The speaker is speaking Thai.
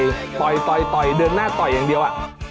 อันนี้ทั้งหมดต่อยเดินหน้าต่อยอย่างเดียว